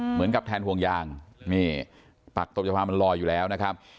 เหมือนกับแทนห่วงยางนี่ปักตบสภามันลอยอยู่แล้วนะครับ